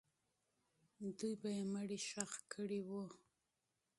دوی به یې مړی ښخ کړی وو.